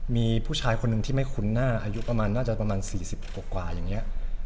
มีผู้ชายคนหนึ่งที่ไม่คุ้นหน้าอายุประมาณน่าจะประมาณ๔๐กว่าอย่างนี้